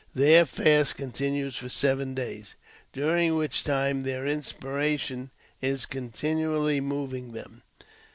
Their fast con tinues for seven days, during which time their inspiration is continually moving them.